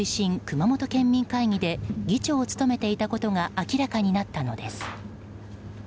熊本県民会議で議長を務めていたことが明らかになったのです。